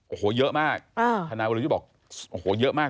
โอ้โหเยอะมากธนายวรยุทธ์บอกโอ้โหเยอะมาก